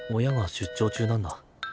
親が出張中なんだ。